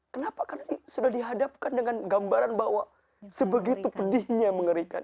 kenapa karena ini sudah dihadapkan dengan gambaran bahwa sebegitu pedihnya mengerikan